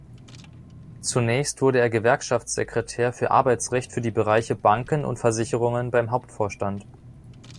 Zunächst wurde er Gewerkschaftssekretär für Arbeitsrecht für die Bereiche Banken und Versicherungen beim Hauptvorstand.